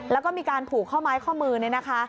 แล้วก็มีการผูกข้อม้ายข้อมือนะคะ